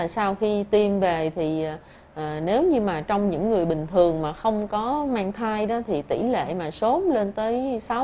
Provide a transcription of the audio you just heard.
sau khi tiêm về nếu như trong những người bình thường mà không có mang thai thì tỷ lệ sốt lên tới sáu mươi bảy mươi